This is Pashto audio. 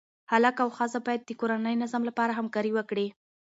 هلک او ښځه باید د کورني نظم لپاره همکاري وکړي.